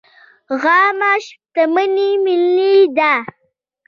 عامه شتمني ملي ده